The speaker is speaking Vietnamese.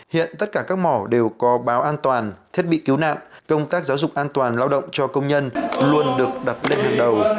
hiện tất cả các mỏ đều có báo an toàn thiết bị cứu nạn công tác giáo dục an toàn lao động cho công nhân luôn được đặt lên hàng đầu